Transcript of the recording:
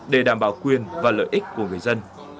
để đảm bảo quyền và lợi ích của người dân